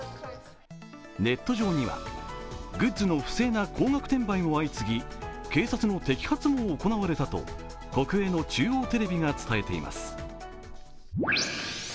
ネット上には、グッズの不正な高額転売も相次ぎ警察の摘発も行われたと国営の中央テレビが伝えています。